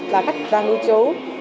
là khách ra lưu trú